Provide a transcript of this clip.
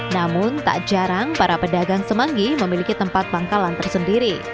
namun tak jarang para pedagang semanggi memiliki tempat pangkalan tersendiri